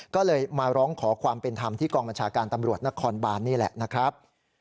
ก็เลยมาร้องขอความเป็นธรรมที่กองบัญชาการตำรวจนครบานนี่แหละนะครับ